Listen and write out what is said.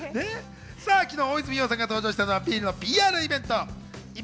昨日、大泉洋さんが登場したのはビールのＰＲイベント。